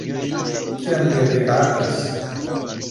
Kion vi rigardas?